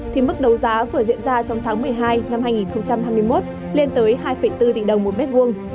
thì mức đấu giá vừa diễn ra trong tháng một mươi hai năm hai nghìn hai mươi một lên tới hai bốn tỷ đồng một mét vuông